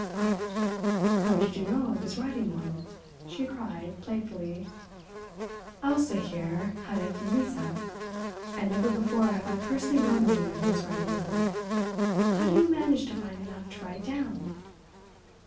"Ach, how did you know I was writing one?" she cried playfully. "Elsa, here, had it from Lisa. And never before have I personally known a woman who was writing a book. How do you manage to find enough to write down?"